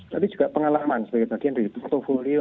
tapi juga pengalaman sebagai bagian dari portfolio